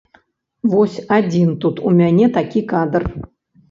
Вось адзін тут у мяне такі кадр.